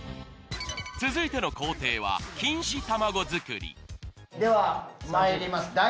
続いての工程は錦糸卵作りではまいります。